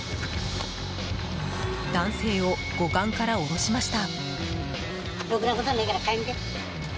男性を護岸から下ろしました。